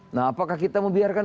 nah apakah kita membiarkan